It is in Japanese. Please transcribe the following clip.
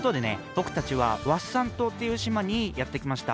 ぼくたちはワッサン島っていう島にやってきました。